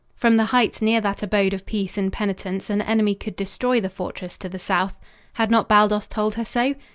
From the heights near that abode of peace and penitence an enemy could destroy the fortress to the south. Had not Baldos told her so?